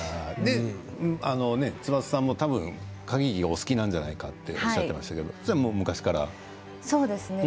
翼さんも多分歌劇が好きなんではないかとおっしゃっていましたけどそれは昔からですか？